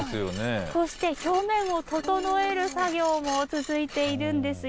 こうして表面を整える作業も続いているんですよ。